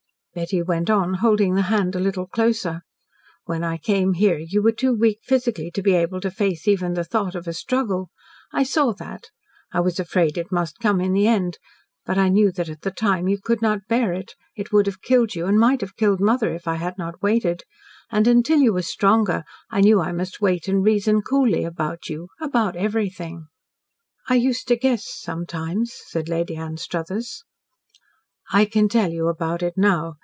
Betty went on, holding the hand a little closer. "When I came here you were too weak physically to be able to face even the thought of a struggle. I saw that. I was afraid it must come in the end, but I knew that at that time you could not bear it. It would have killed you and might have killed mother, if I had not waited; and until you were stronger, I knew I must wait and reason coolly about you about everything." "I used to guess sometimes," said Lady Anstruthers. "I can tell you about it now.